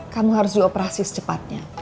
kamu harus dioperasi secepatnya